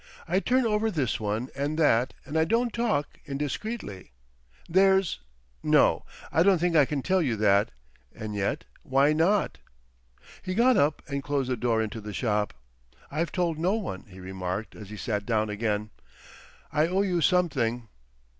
I turn over this one and that, and I don't talk—indiscreetly. There's—No! I don't think I can tell you that. And yet, why NOT?" He got up and closed the door into the shop. "I've told no one," he remarked, as he sat down again. "I owe you something."